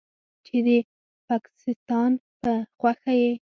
چې د پکستان په خوښه یې